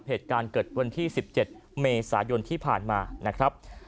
เหตุการณ์เกิดวันที่๑๗เมษายนที่ผ่านมานะครับ